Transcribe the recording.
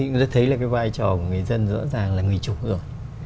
thì chúng ta thấy là cái vai trò của người dân rõ ràng là người chủ rồi